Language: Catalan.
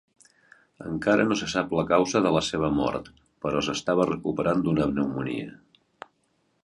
Encara no se sap la causa de la seva mort, però s'estava recuperant d'una pneumònia.